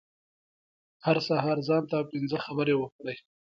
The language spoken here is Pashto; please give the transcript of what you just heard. هر سهار ځان ته پنځه خبرې وکړئ .